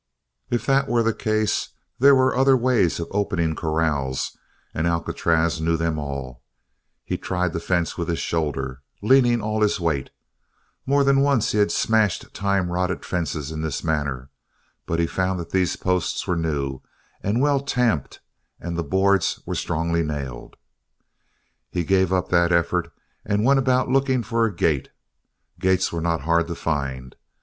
If that were the case, there were other ways of opening corrals and Alcatraz knew them all. He tried the fence with his shoulder, leaning all his weight. More than once he had smashed time rotted fences in this manner, but he found that these posts were new and well tamped and the boards were strongly nailed. He gave up that effort and went about looking for a gate. Gates were not hard to find.